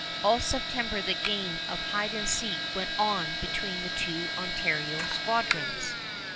All September the game of hide and seek went on between the two Ontario squadrons.